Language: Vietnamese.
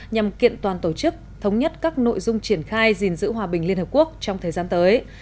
nhằm kiện toàn tổ chức thống nhất các nội dung triển khai gìn giữ hòa bình liên hợp quốc trong thời gian tới